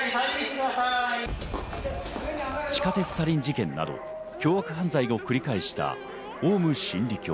地下鉄サリン事件など凶悪犯罪を繰り返したオウム真理教。